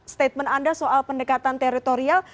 statement anda soal pendekatan teritorial